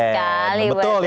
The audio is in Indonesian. pasti mudah sekali